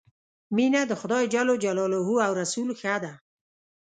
مینه د خدای ج او رسول ښه ده.